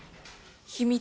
秘密？